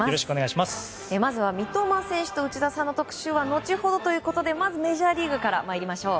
まずは三笘選手と内田さんの特集は後ほどということで、まずメジャーリーグから参りましょう。